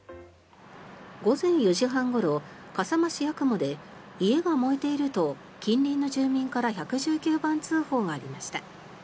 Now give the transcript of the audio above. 午前４時半ごろ、笠間市八雲で家が燃えていると近隣の住民から１１９番通報がありました。